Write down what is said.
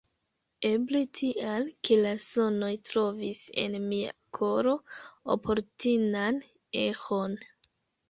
Eble tial, ke la sonoj trovis en mia koro oportunan eĥon.